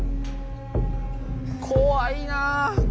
怖いな。